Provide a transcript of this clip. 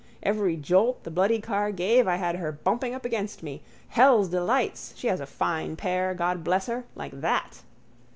Every jolt the bloody car gave I had her bumping up against me. Hell's delights! She has a fine pair, God bless her. Like that.